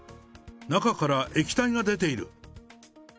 中から液体が出ている。